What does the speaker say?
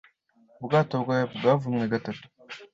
Ubwato bwawe bwavumwe gatatu